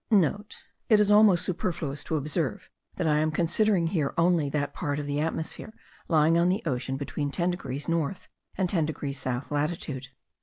(* It is almost superfluous to observe that I am considering here only that part of the atmosphere lying on the ocean between 10 degrees north and 10 degrees south latitude.